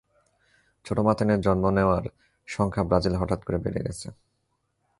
ছোট মাথা নিয়ে জন্ম নেওয়ার সংখ্যা ব্রাজিলে হঠাৎ করে বেড়ে গেছে।